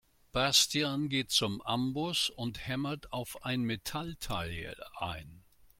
Bastian geht zum Amboss und hämmert auf ein Metallteil ein.